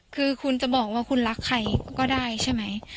คือคุณจะบอกว่าคุณรักใครก็ได้ใช่ไหม